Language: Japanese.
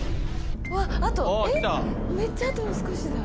あとめっちゃあと少しだ。